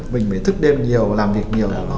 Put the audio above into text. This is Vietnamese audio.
mình phải thức đêm nhiều làm việc nhiều